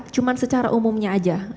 cuma secara umumnya aja